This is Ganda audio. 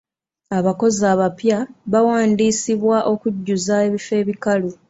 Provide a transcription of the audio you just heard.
Abakozi abapya bawandiisibwa okujjuza ebifo ebikalu.